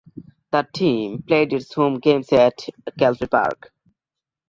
The team played its home games at Calfee Park.